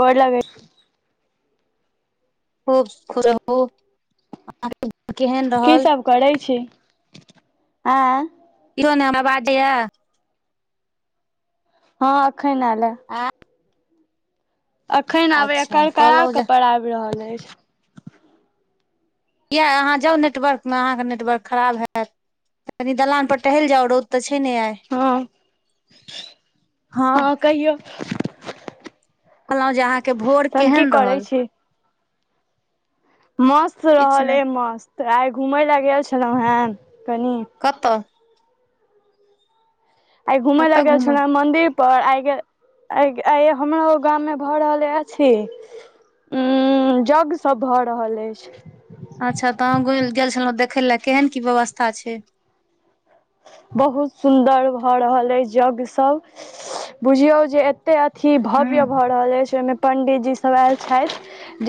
गोर लगै खूब खुश रहू अहाँकेँ केहन की रहल। सब करै छी, ए। इहो नहि हमरा बाजे यै। ह, अखैन ऐल यै। आ अखन आबय अच्छा करका कहलहुँ कऽ जे पराएब रहल अछि किए अहाँ जाउ नेटवर्कमे अहाँकेँ नेटवर्क खराब हैत। कनी दलान पर टहल जाउ रौद तऽ छै ने आई। हँ, हँ, कहियो? कहलहूँ जे अहाँ‌केँ भोर तहन की केहन करै रहल। छी मस्त किछ रहल नहि ऐ मस्त, आइ घूमय ल गेल छलहुँ है कनी कतऽ। आइ घुमे लेय कतऽ गेल घुमय छलह ने मन्दिर। पर आबे हमरो ओ गाम मे भऽ रहल अछि। उ जग सभ भऽ रहल अछि। अच्छा, तऽ अहाँ घुम गेल छलहुँ देखय लए केहन कि व्यवस्था छै। बहुत सुन्दर भऽ रहल अछि यज्ञ सब बुझियौ जे एक्टा अथि हूँ भव्य भऽ। रहल अछि, ओहि मे पंडित जी सभ आयल छैथ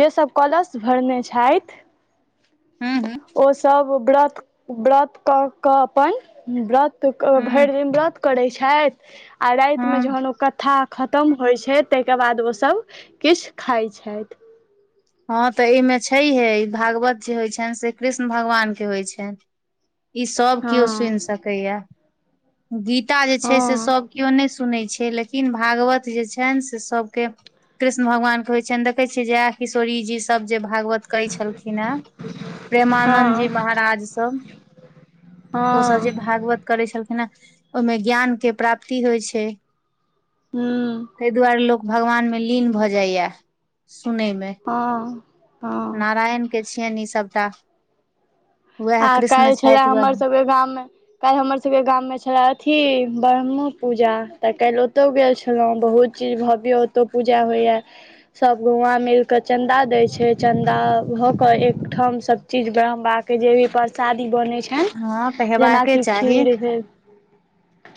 जे सभ कलश भरने छाइथ। हँ, हँ। ओ सब व्रत व्रत कऽ कऽ अपन व्रत तऽ हूँ भरि दिन व्रत करै छैथ आ रात्रिमे हँ जखन ओ कथा। खतम होइत छै, ताहिके बाद ओ सभ किछु खाइत छैथ। हाँ, तऽ एहि मे छै हे ई भागवत जे होइ छैन से कृष्ण भगवानके होई छैन। ई सभ हँ किओ सुनि सकैए गीता जे छै, से हँ सभ। किओ नहि सुनैत छै, लेकिन भागवत जे छेन से सभके। कृष्ण भगवानके होइ छैन, देखै छियै जया किशोरी जी सभ। तब जे भागवत कहै छलखिन हऽ प्रेमानद जी हँ महाराज सब ओ सभ हँ जे भागवत। करै छलखिन हे ओहि मे ज्ञानके प्राप्ति होई छै। हू। ताहि दुआरे लोक भगवान मे लीन भए जायया सुनय मे। हा, हा। नारायणके छियनि ई सभटा। आ काल्हि छले छथि उएह हमर सभके गाम मे। काल्हि हमर सभके गाम मे छेलेह अथि ब्रह्म पूजा तऽ काल्हि ओतो गेल छलो बहुत। जे भव्य ओत पूजा होइया। सभ गउआ मिलके चंदा देय छै, चंदा भऽ के एकठाम सभ चीज बनबा। जे भी प्रसादी बनै छैन, हँ तऽ हेबाके जेनाकि चाही खीर भेल।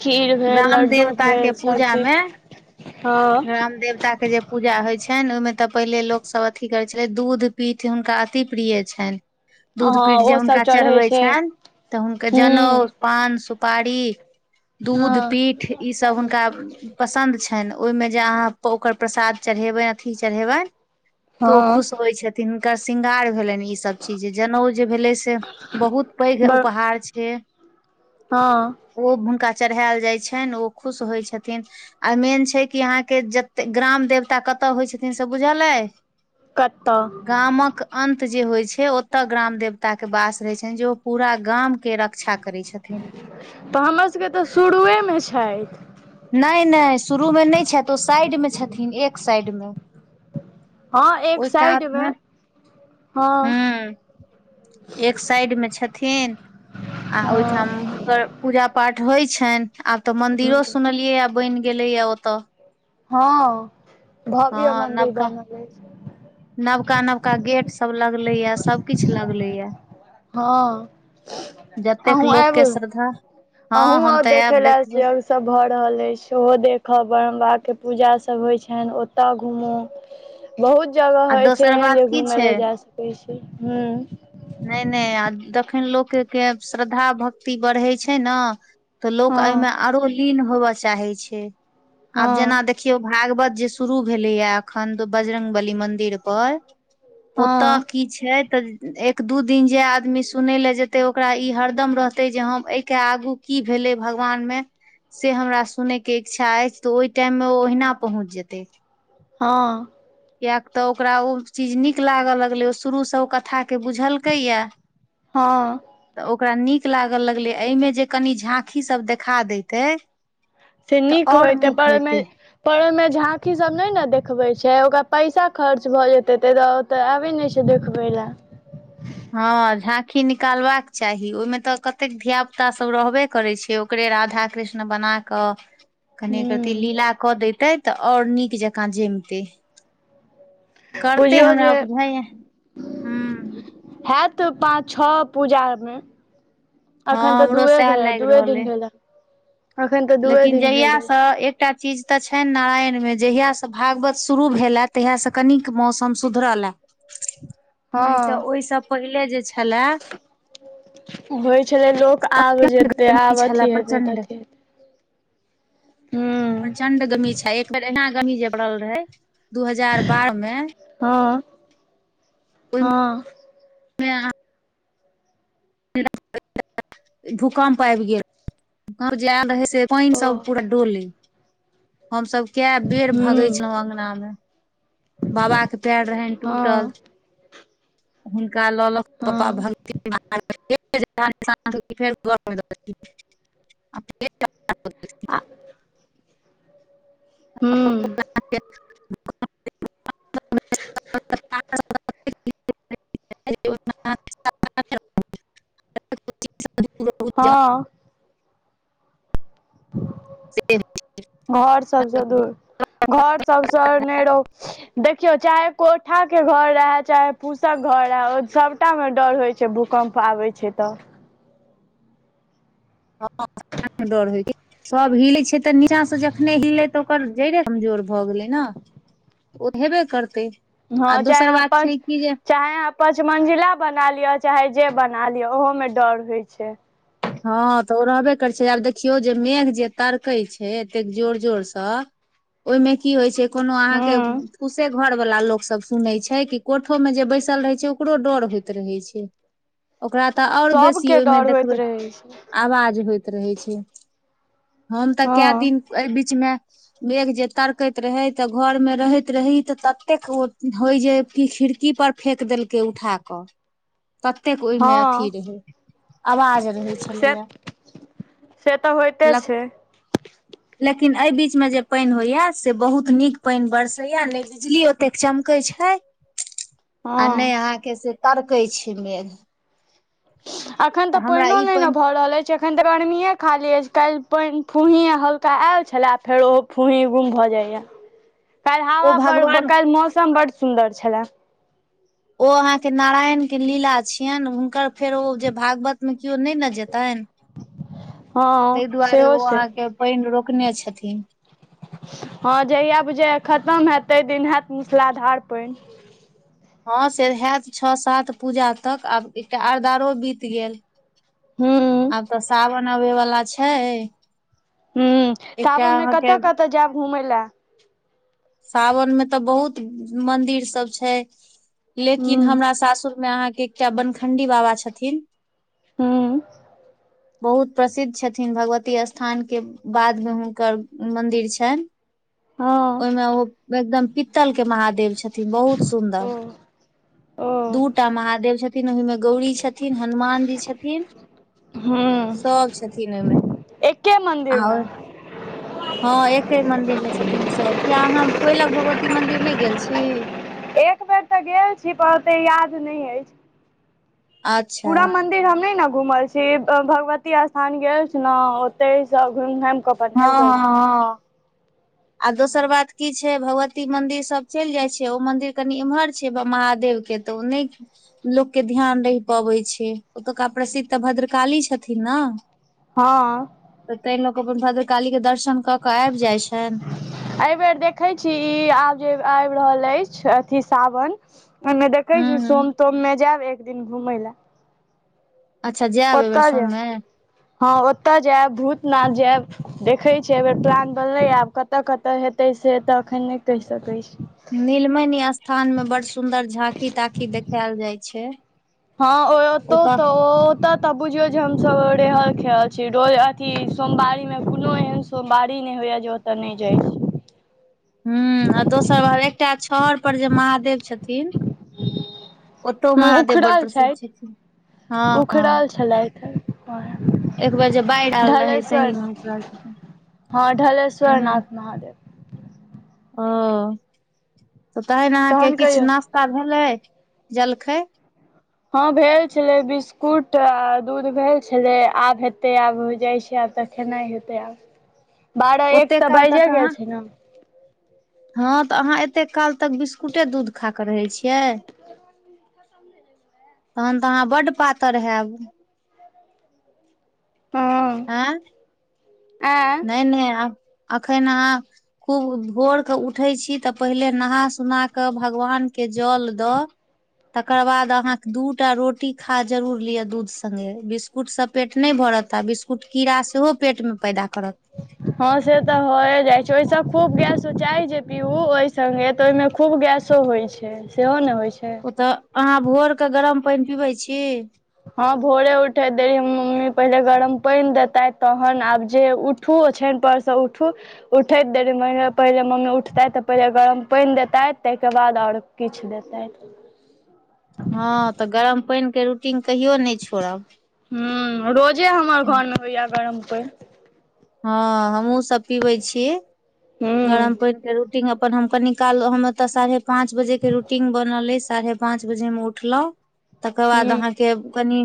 खीर भेल ग्राम लड्डू देवता के भेल सभ पूजा चीज, मे हैं। राम देवता के जे पूजा होई छेन, ओहि मे तऽ पहिले लोक सभ अथि करैत छलै दूध पीठ हुनका अति प्रिय छेन। दूध हँ पीठ ओ जे सब हुनका चढ़ै चढ़बै छै छैन। अहुँ केँ जनउ हूँ पान सुपारी। दूध हँ पीठ ई सभ हुनका पसन्द छैन। हेन ओहिमे जे अहाँ ओकर प्रसाद चढ़ेबनि अथी चढ़ेबनि तऽ ओ हँ खुश होइत छथि तिनका श्रृंगार भेलनि ई सब चीज जनेउ जे भेले से बहुत पैघ ठार छियै हाँ ओ हुनका चढ़ायल जाइ छनि ओ खुश होइ छथिन आ मेन छै कि अहाँके जत ग्राम देवता कतय होइ छथिन से बुझले कत्ता गामक अंत जे होइ छै ओतऽ ग्राम देवता के वास रहय छनि जे ओ पूरा गाम के रक्षा करै छथिन तऽ हमरो सभके तऽ शुरुएमे छथि नहि नहि शुरूमे नहि छथि ओ साइडमे छथिन एक साइडमे हँ एक साइड मे हँ हूँ एक साइड मे छथिन आ ओहिठाम हुनकर पूजा पाठ होइ छनि आब त मंदिरो ह सुनलियै य बनि गेले य ओते हँ भव्य हँ मन्दिर नवका बनल छै नवका नवका गेट सब लगले या सबकिछ लगले ये हँ जतेक अहूँ लोक एयब के श्रद्धा आहूँ हँ हम आउ तऽ आयब देखे ले ऐल देखबो छिये सभ भऽ रहल अछि सेहो देखब ब्रह्म बाबा के पूजा सभ होइ छनि ओतय घूमू बहुत जगह आ होइ छै दोसर एहन बात जे की घुम छै लए जा सकै छी हूँ नहि नहि आ तखन लोकके श्रद्धा भक्ति बढ़ै छै ने तऽ लोक एहिमे हँ आरो लीन होबय चाहे छै आब जेना हँ देख देखियौ भागवत जे शुरू भेलैया एखन द बजरंग बली मंदिर पर ओतऽ हँ की छै तऽ दू दिन जे आदमी सुनय लए जेतै ओकरा ई हरदम रहतै जे हम एहिके आगू की भेलै भगवानमे से हमरा सुनै के इच्छा अछि तऽ ओहि टाइम मे ओ ओहिना पहुँच जेतै हँ कियाक तऽ ओकरा ओ चीज नीक लागल लगले ओ शुरू से ओ कथा के बुझलकैया हँ तऽ ओकरा नीक लागऽ लगलै एहिमे जे कनि झाकी सब देखा देतै से नीक होयतै पर ओमे पर ओहि में झांकी सब ने ने देखबे छै ओकरा पैसा खर्च भए जेते त तऽ आबै नहि छै देखबै लए हँ झांकी निकालबाक चाही ओहिमे तऽ कतेक धिया पुता सब रहबे करै छैय ओकरे राधा कृष्ण बना कऽ कने एक रती ह लीला कऽ दैते तऽ आओर नीक जकाँ जैमते करते बुझियौ हमरा जे उपझैअ हँ हैत पाँच छ ओ पूजामे हँ अखन तऽ हमरो दूए सएह भेल लाइग दूए रहल दिन अइ भेल अखन तऽ दूए लेकिन दिन भेल जहियासँ अछि एकटा चीज त छै नारायण मे जहिया सँ भागवत शुरू भेलए तहिया सँ कनिक मौसम सुधरले [inaudible] नहि त ओहि सँ पहिले जे छलए होइ छलै लोक आब जेतै ई आब छलए अथी हेतै त प्रचंड अथी हेतै प्रचंड गमी छै एक बेर एना गमी जे पड़ल रहे दू हजार बारह मे हँ, हँ। मे अहा। भूकंमप आबि गेल। जा रहै से पानि ओ सभ पूरा डोले हमसभ। कै ह बेर भगै छलहूँ हँ अंगना मे बाबा के पैड़ रहल टूटल। हुनका लऽ लऽ कऽ पापा हँ भ ेर घर [unintelligible] [unintelligible] आ [unintelligible] [unintelligible] [unintelligible] [unintelligible] हँ ह। से। घर सभसँ दूर घर सभसे ने रहो। देखियौ चाहे कोठाके घर रहै चाहे फूसक घर रहै ओ सभ। सभटामे डर होइ छै, भूकम्प आबै छै तऽ। हँ, डर होइ छै। सभ हिलै छै, तऽ नीचाँ से जखने हिलै तऽ ओकर जड़े कमजोर भऽ गेलै ने। ओ त हेबे करतै। आ हँ, दोसर चाहे बात प [unintelligible] छै कि जे चाहे पाँचमञ्जिला बना लिअ, चाहे जे बना लिअ, ओहोमे डर होइ छै। हँ, तऽ ओ रहबे करै छै, आब देखियौ जे मेघ जे तड़कै छै, एतेक जोर जोरसँ ओहिमे कि होइ छै कोनो अहाँकेँ हूँ पुसे। घर वाला लोक सभ सुनै छै, कि कोठो मे जे बैसल रहे छै, ओकरो डर होइत रहे छै। ओकरा तऽ ओर बेसी ओहिमे देखबै। से छै। आवाज होइत रहै छै, हम तऽ काए हँ दिन ए बीचमे मेघ जे तड़कैत रहे, तऽ घरमे रहैत रही ततेक ओ होय जे कि खिड़की पर। फेक देलकै उठा कऽ। [inaudible] कतेक ओहिमे अथि हँ रहे आवाज रहे। से छलय से तऽ होइते ल। [inaudible] लेकिन एहि बीचमे जे पाइन होया से बहुत निक पानि बरसे या ने बिजली। कतेक चमकै छै। [inaudible] आ, नै अहाँकेँ से तड़कै छै, मेघ। अखन त तऽ हमरा पेनो ई नहि ने पानि भय रहले। एखन त गर्मी खाली अछि, काल्हि पाइन फुँही हल्का आयल छलै, फेर ओहो फूँही गुम भऽ जाइए। काल्हि ओ हवा पर, भगवान काल्हि मौसम बड सुन्दर छलए। ओ, अहाँकेँ नारायणके लीला छियनि हुनकर। फेर ओ, जे भागवतमे केओ नहि ने जेतनि। हँ ताहि दुआरे सेहो ओ छै अहाँकेँ पाइन रोकने छथिन। हँ, जहिय बुझैया खतम हैत ताहि दिन हैत मूसला धार पाइन। हँ, से होइत छै, छठि पूजा तक आब एकटा आओरो बीत गेल। हूँ। आब तऽ सावन अबे वाला छै। हू एकटा सावनमे अहाँके कतह कतह जायब घुमय लए। सावन मे तऽ बहुत मंदिर सभ छै। लेकिन हूँ हमरा सासुर मे अहाँकेँ एकटा बनखण्डी बाबा छथिन। हू। बहुत प्रसिद्ध छथिन भगवती स्थानके बादमे हुनकर मंदिर छैन। हँ ओहिमे ओ एकदम पित्तल के महादेव छथिन बहुत सुन्दर। ओ ओ दूटा महादेव छथिन छथिन, ओहिमे गौरी छथिन, हनुमान जी छथिन, हूँ सभ छथिन ओहिमे। एके मन्दिर मे और हा एक्के मन्दिर मे छथिन सभ, किया अहा कोइल। भगवती मन्दिर नै गेल छी? एक बेर तऽ गेल छै, पर ओतेक याद नहि अछि। अच्छा। मन्दिर हमनी ने घुमल छी भगवती स्थान गेल छी ने ओते सभ घुमि घामि केऽ। हँ, हँ, हँ, आ दोसर बात कि छै। छै, भगवती मंदिर सभ चलि जाइ छै, ओ मंदिर कनि एम्हर छै, महादेव के तऽ ओ नहि। लोक के ध्यान रहि पबै छै, ओतुका प्रसिद्ध तऽ भद्रकाली छथिन ने। हँ। तऽ ताहि लोक अपन भद्र कालीके दर्शन कऽ के आबि जाइत छैन। एहिबेर देखैत छै ई आब जे आबि रहल अछि, अथि सावन। ओमे देखै छी, हूँ सोम तोममे जायब एक दिन घूमय लए। अच्छा, जायब एहि बेर ओतय जायब सोममे? हँ, ओतय जायब भूतनाथ जायब देखै छै, एहि बेर प्लान बनले आब। कतऽ कतऽ हेतै से तऽ अखन नहि कहि सकैत छै। नीलमण स्थानमे बड़ सुंदर झांकी ताँखी देखायल जाइ छै। हँ, ओ तौ तऽ ओतऽ त। ओतऽ बुझियौ जे हमसभ रहल-खेलल छी रोज अथी सोमवारीमे। कोनो एहन सोमवारी नहि होइया जे ओतय। तऽ नहि जाइ। छी हू, आ दोसर एकटा छहर पर जे महादेव छथिन। ओतो ह महादेव बड़ उखड़ल प्रसिद्ध छथि छथिन। हँ हँ उखड़ल छलैथ। आओर। एक बेर जे बाढ़ि आयल रहै तहीमे ओकरा। हँ, ढलेश्वर नथ महादेव। ओ त तहन अहाँकेँ किछु नास्ता भेले जलखै। हँ, भेल छलै बिस्कुट आ दूध भेल छलै, आब हेतै आब जाइत छै, आब तऽ खेनाइ हेतै आब बारह ओते एक तऽ काल तक बाजे अहाँ गेल छै ने। हँ, तऽ अहाँ एते काल तक बिस्कुटे दूध खा कऽ रहै छियै। तहन तऽ अहाँ बड्ड पातर हैब। हँ आँ, आँ नहि, नहि आ। अखन अहाँ खूब भोरके उठे छै तऽ पहिले नहा सुनाके। कऽ भगवान के जल दऽ। तकर बाद अहाँकेँ दूटा रोटी खा जरूुर लिअ दूध संगे बिस्कुट सभ। पेट नहि भरत आ बिस्कुट कीड़ा सेहो पेट मे पैदा करत। हँ से तऽ होय जाइ छैय ओहिस खूब गैस उचाई जे पीऊ ओहि संगगे तऽ ओहिं खूब गैस सो होइत छैय सेहो नहि होइ छैय। ओ तऽ अहाँ भोरके गरम पानि पीबै छी। हँ भोरे उठे देेली मम्मी पहिले गरम पानि देताे तहन आब जे उठूओ छानि परसँ उठू। उठैत देरी महीने पहिले मम्मी उठतै तऽ पहिले गरम पानि देतै ताहिके बाद आओर किछु देतथि। हँ तऽ गरम पानिके रूटीन कहियो नहि छोड़ब। ह रोजे हमर घर मे होइय गरम पानी। हँ हमहुँ सब पीबै छी हूँ गरम पानिमें रु टिंग अपन हम कनी काल हम एतऽ साढ़े पाँच बजेके रूटीन बनल अय साढ़े पांच बजेमे उठलहूं तकर बाद हूँ आहाके के कनि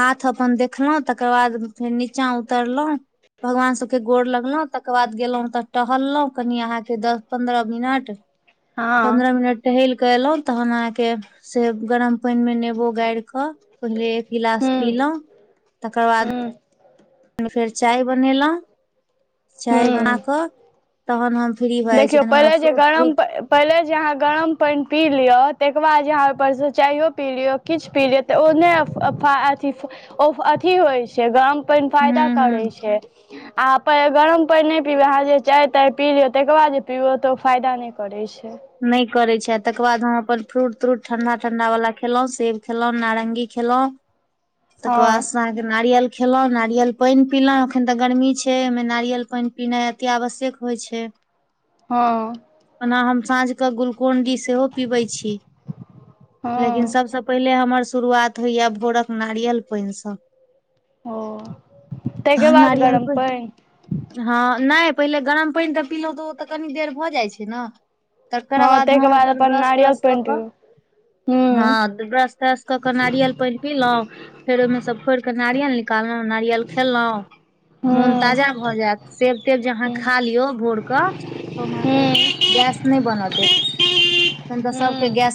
हाथ अपन देखलहुं तकर बाद फेर नीचा उतरलहुँ भगवान सबके गोर लगलौ तकर बाद गेलहुँं तऽ टहललहुं कनि अहाँके दस पंदरह मिनट। हँ पन्द्रह मिनट टहलि कऽ एयलहुँ तखन अहाँके से गरम पानिमे नेबो गारि कऽ पहिले एक गिलास हूँ पीलहुँं तकर बाद हूँ फेर चाय बनेलहुँं चाय बना हूँ कऽ तहन हम फ्री भऽ जाइ छी देखियौ तहन हमरा पहिले जे फ्रूट गरम त्रूट पहिले जे अहाँ गरम पानि पी लिअ तकर बाद जे अहाँ ओहिपरसे चाइयो पी लिअ किछु पी लिय तऽ ओ नहि अथी अथी होइ छैय गम पानी हूँ फायदा हूँ करै छैय, आ प गरम पानी नै पीबय आहा जे चाय ताई पी लिय तकर बाद जे पिबै तऽ ओ फायदा नहि करै छैय। नहि करै छैय तकर बाद हम अपन फ्रूट त्रूट ठंडा ठंडा वाल खेलहुं सेब खेलहुं नारंगी खेलहुं तकर हँ बाद से अहाँके नारियल खेलहुँ नारियल पानि पीलहुँ एखन तऽ गर्मी छैय ओहिमे नारियल पानि पीनाइ अति आवश्यक होइ छैय। हँ ओना हम साँझ कऽ ग्लूकोन डी सेहो पीबै छी हँ लेकिन सभसँ पहिले हमर शुरुआत होइया भोरक नारियल पानिसँ। ओ ताहिके हँ बाद नड़ियल गरम पानी पानि हँ नहि पहिले गरम पानि तऽ पीलहुँ तऽ ओ तऽ कनी देर भऽ जाइ छैय ने। तककर हँ बाद ताहिके हम अपन ब्रश नारियल त्रश कऽ पानि कऽ पिबू हूँ हँ ब्रस त्रस क क नारियअल पनी पिलहुँ फेर ओहिमेसँ फोड़ि के नारियल निकाललहुँ नारियल खेलहुँ मोन ताजा हूँ भऽ जायत सेब तेब जे अहाँ हूँ खा लियौ भोर कऽ तब आहांके हूँ गैस नहि बना देत त सबके हूँ ग